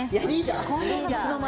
いつの間に。